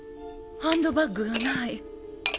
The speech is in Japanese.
ハンドバッグがない。